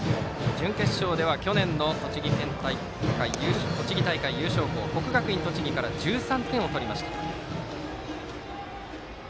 準決勝では去年の栃木大会優勝校である国学院栃木から１３点を取りました。